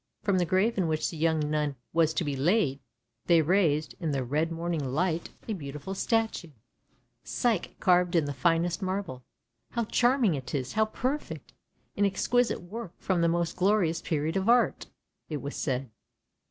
From the grave in which the young nun was to be laid, they raised, in the red morning light, a beautiful statue — Psyche carved in the finest marble. " How charming it is! how perfect! — an exquisite work, from the most glorious period of art! " it was said.